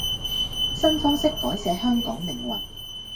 新方式改寫香港命運